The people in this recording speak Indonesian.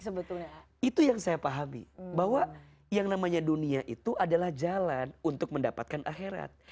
sebetulnya itu yang saya pahami bahwa yang namanya dunia itu adalah jalan untuk mendapatkan akhirat